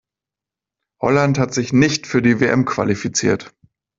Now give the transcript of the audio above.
Holland hat sich nicht für die WM qualifiziert.